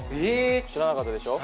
知らなかったでしょ。